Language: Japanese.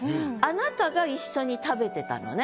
あなたが一緒に食べてたのね？